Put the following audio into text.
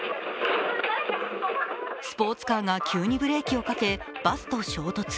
スポーツカーが急にブレーキをかけ、バスと衝突。